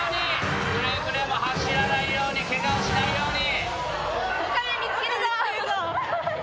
くれぐれも走らないようにケガをしないように。